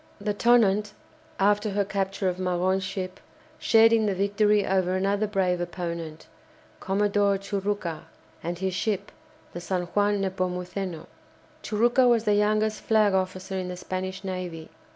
The "Tonnant," after her capture of Magon's ship, shared in the victory over another brave opponent, Commodore Churucca, and his ship, the "San Juan Nepomuceno." Churucca was the youngest flag officer in the Spanish navy.